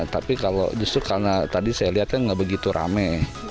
tapi kalau justru karena tadi saya lihat kan nggak begitu rame